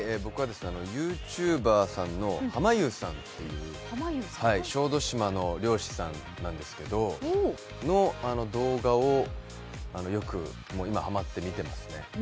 ＹｏｕＴｕｂｅｒさんのはまゆうさんという小豆島の漁師さんの動画をよく、今、ハマって見てますね。